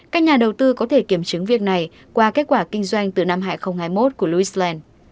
các nhà đầu tư có thể kiểm chứng việc này qua kết quả kinh doanh từ năm hai nghìn hai mươi một của louisland